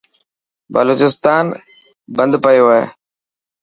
بلوچستان بند پيو هي.